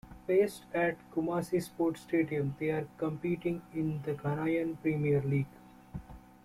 Based at Kumasi Sports Stadium they are competing in the Ghanian Premier League.